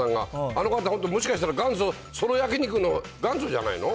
あの方、もしかしたら、本当ソロ焼き肉の元祖じゃないの？